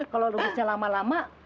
kalau merebusnya lama lama